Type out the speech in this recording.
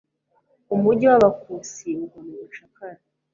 umujyi wa Bakusi ugwa mu bucakara